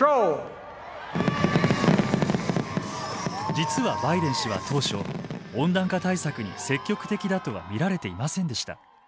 実はバイデン氏は当初温暖化対策に積極的だとは見られていませんでした。